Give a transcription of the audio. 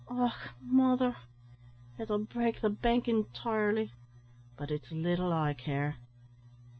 "Och, morther, it'll brake the bank intirely; but it's little I care.